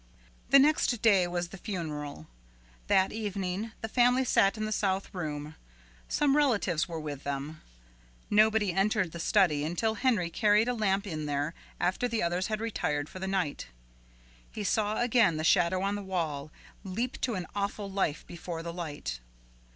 The next day was the funeral. That evening the family sat in the south room. Some relatives were with them. Nobody entered the study until Henry carried a lamp in there after the others had retired for the night. He saw again the shadow on the wall leap to an awful life before the light.